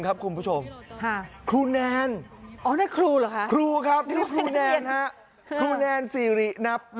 แล้วก็ให้เราก็ก่อเซ็นรับทราบ